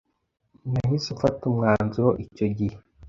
Nahise mfata umwanzuro icyo gihe